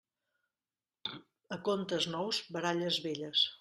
A contes nous, baralles velles.